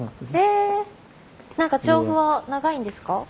調布は長いんですか？